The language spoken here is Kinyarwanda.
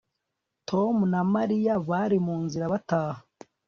Tom na Mariya bari mu nzira bataha